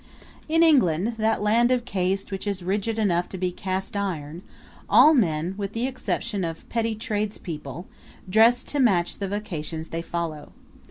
In England, that land of caste which is rigid enough to be cast iron, all men, with the exception of petty tradespeople, dress to match the vocations they follow.